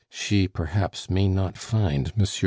She perhaps may not find M. Pons alive."